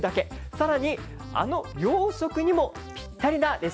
更にあの洋食にもぴったりなレシピです。